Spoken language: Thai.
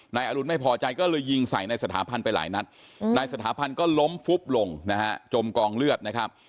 นายอรุณไม่พอใจก็เลยยิงใส่ในสถาพันธ์ไปหลายนัดนายสถาพันธ์ก็ล้มฟุบลงนะฮะจมกองเลือดนะครับ